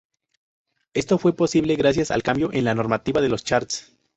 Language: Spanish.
Esto fue posible gracias al cambio en la normativa de los charts.